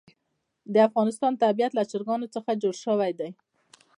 د افغانستان طبیعت له چرګانو څخه جوړ شوی دی.